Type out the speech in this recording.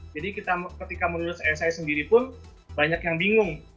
jadi kita ketika menulis esai sendiri pun banyak yang bingung